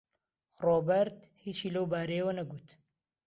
ڕۆبەرت هیچی لەو بارەیەوە نەگوت.